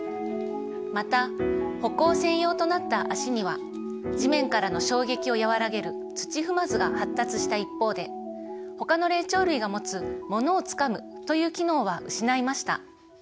また歩行専用となったあしには地面からの衝撃を和らげる土踏まずが発達した一方でほかの霊長類がもつものをつかむという機能は失いました。